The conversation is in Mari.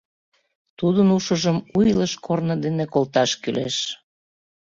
Тудын ушыжым у илыш корно дене колташ кӱлеш.